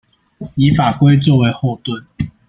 以法規作為後盾